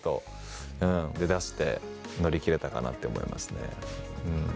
で出して乗り切れたかなって思いますね。